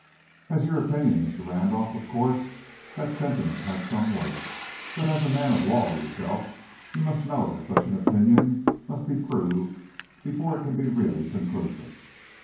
"As your opinion, Mr. Randolph, of course that sentiment has some weight, but as a man of law, yourself, you must know that such an opinion must be proved before it can be really conclusive."